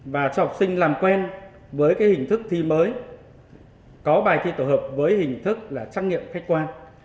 và cho học sinh làm quen với cái hình thức thi mới có bài thi tổ hợp với hình thức là trắc nghiệm khách quan